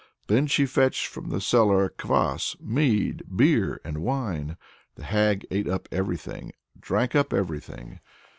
Then she fetched from the cellar kvass, mead, beer, and wine. The hag ate up everything, drank up everything.